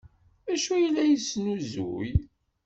D acu ay la yesnuzuy?